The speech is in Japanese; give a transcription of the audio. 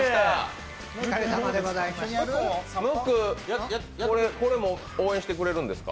ムック、これも応援してくれるんですか？